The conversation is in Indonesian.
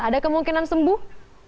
ada kemungkinan sembuh